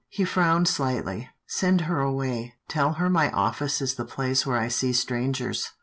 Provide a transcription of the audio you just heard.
He frowned slightly. " Send her away. Tell her my office is the place where I see strangers."